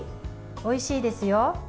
おいしいですよ。